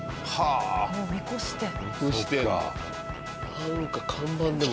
なんか看板でも。